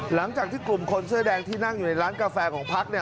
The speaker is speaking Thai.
หลังจากที่กลุ่มคนเสื้อแดงที่นั่งอยู่ในร้านกาแฟของพักเนี่ย